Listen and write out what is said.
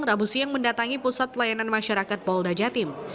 rabu siang mendatangi pusat pelayanan masyarakat polda jatim